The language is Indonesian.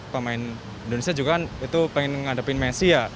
pemain indonesia juga kan itu pengen ngadepin messi ya